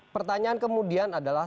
pertanyaan kemudian adalah